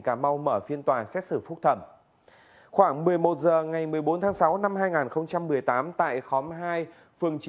cà mau mở phiên tòa xét xử phúc thẩm khoảng một mươi một h ngày một mươi bốn tháng sáu năm hai nghìn một mươi tám tại khóm hai phường chín